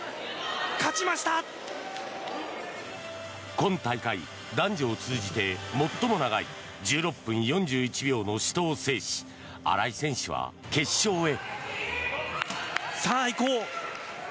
今大会、男女を通じて最も長い１６分４１秒の死闘を制し新井選手は決勝へ。